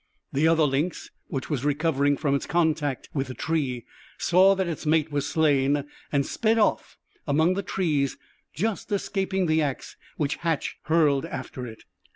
The other lynx, which was recovering from its contact with the tree, saw that its mate was slain, and sped off among the trees, just escaping the axe which Hatch hurled after it.